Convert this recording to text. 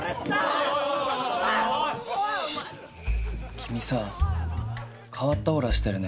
君さ変わったオーラしてるね。